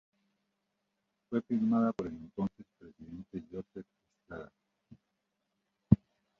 Fue firmada por el entonces presidente Joseph Estrada.